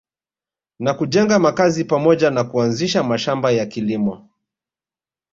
Na kujenga makazi pamoja na kuanzisha mashamba ya kilimo